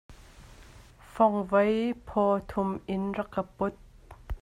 Fangvoi paw thum in rak ka put.